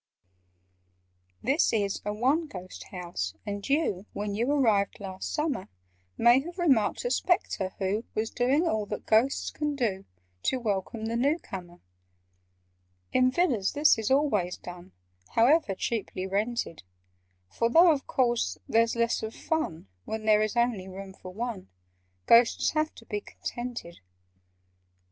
"This is a 'one ghost' house, and you When you arrived last summer, May have remarked a Spectre who Was doing all that Ghosts can do To welcome the new comer. "In Villas this is always done— However cheaply rented: For, though of course there's less of fun When there is only room for one, Ghosts have to be contented.